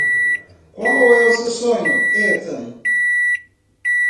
Qual é o seu sonho, Ethan?